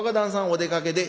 お出かけで」。